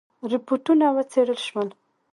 رپوټونه وڅېړل شول.